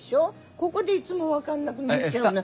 ここでいつも分かんなくなっちゃうの。